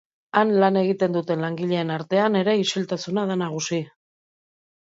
Han lan egiten duten langileen artean ere isiltasuna da nagusi.